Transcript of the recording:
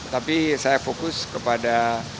tapi saya fokus kepada